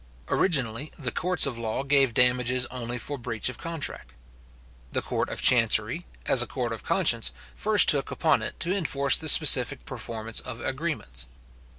Originally, the courts of law gave damages only for breach of contract. The court of chancery, as a court of conscience, first took upon it to enforce the specific performance of agreements.